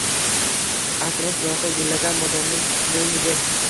Atrof loyqa, gullagan bodomning xushbo‘y hidi.